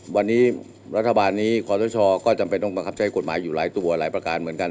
วันนี้รัฐบาลนี้ขอสชก็จำเป็นต้องบังคับใช้กฎหมายอยู่หลายตัวหลายประการเหมือนกัน